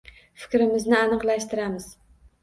Fikrimizni aniqlashtiramiz.